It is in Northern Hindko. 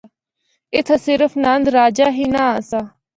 اتھا صرف نند راجہ ہی نہ آسا۔